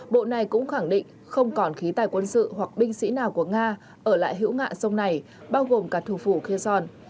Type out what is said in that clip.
bộ này cũng khẳng định không còn khí tài quân sự hoặc binh sĩ nào của nga ở lại hữu ngạn sông này bao gồm cả thủ phủ kherson